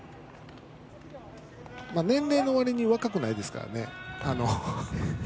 年齢のわりには若くないですかね。